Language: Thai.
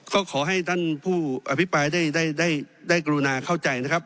ก็ขอให้ท่านผู้อภิปรายได้ได้กรุณาเข้าใจนะครับ